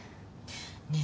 ねえ。